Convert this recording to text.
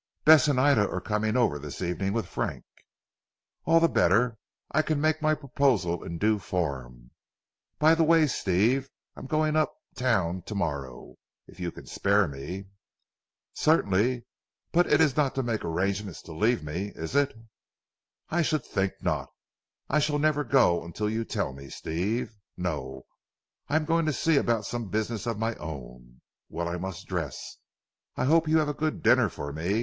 "Bess and Ida are coming over this evening with Frank." "All the better. I can make my proposal in due form. By the way Steve I am going up Town to morrow if you can spare me." "Certainly. But it is not to make arrangements to leave me is it?" "I should think not! I shall never go till you tell me Steve. No, I am going to see about some business of my own. Well I must dress. I hope you have a good dinner for me.